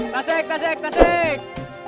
tasik tasik tasik